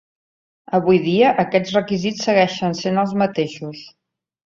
Avui dia, aquests requisits segueixen sent els mateixos.